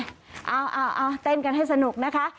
เอาเต้นกันให้สนุกนะคะ